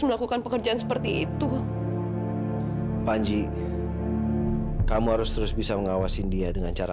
melakukan pekerjaan seperti itu panji kamu harus terus bisa mengawasin dia dengan cara